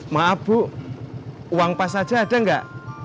maaf bu uang pas saja ada nggak